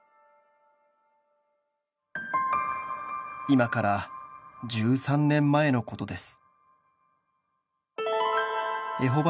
「今から１３年前のことです」